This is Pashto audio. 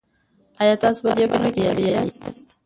آیا تاسو په دې برخه کې بریالي یاست؟